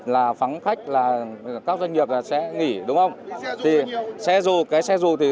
là phắng khách là các doanh nghiệp sẽ nghỉ đúng không